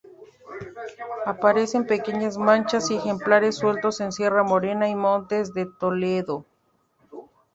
Aparecen pequeñas manchas y ejemplares sueltos en Sierra Morena y Montes de Toledo.